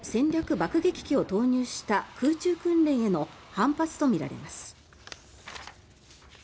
爆撃機を投入した空中訓練への反発とみられます。